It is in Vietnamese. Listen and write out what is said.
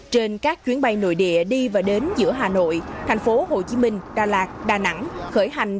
trên các chuyến bay nội địa đi và đến giữa hà nội thành phố hồ chí minh đà lạt đà nẵng khởi hành